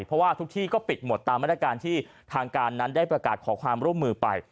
เพราะว่าทุกที่ก็ปิดหมดตามมาตรการที่ทางการนั้นได้ประกาศขอความร่วมมือไป